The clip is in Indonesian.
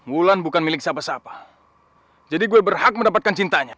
wulan bukan milik siapa siapa jadi gue berhak mendapatkan cintanya